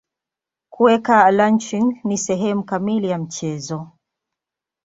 Kuweka lynching ni sehemu kamili ya mchezo.